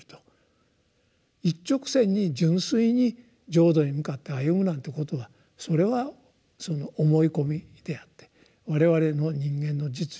一直線に純粋に浄土に向かって歩むなんてことはそれは思い込みであって我々の人間の実情を見ればですね